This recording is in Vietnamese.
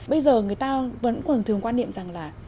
bây giờ người ta vẫn còn thường quan niệm rằng là